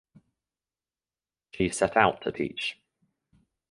She set out to teach.